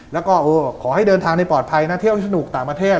แล้วก็ขอให้เดินทางในปลอดภัยนะเที่ยวสนุกต่างประเทศ